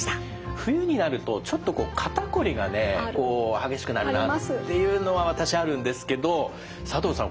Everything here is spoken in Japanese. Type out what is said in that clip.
冬になるとちょっとこう肩こりがね激しくなるなっていうのは私あるんですけど佐藤さん